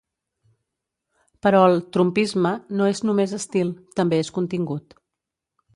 Però el ‘Trumpisme’ no és només estil, també és contingut.